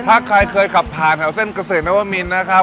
ถ้าใครเคยขับผ่านแถวเส้นเกษตรนวมินนะครับ